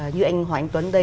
như anh hoàng anh tuấn đây